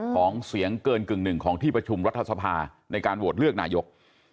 ของเสียงเกินกึ่งหนึ่งของที่ประชุมรัฐสภาในการโหวตเลือกนายก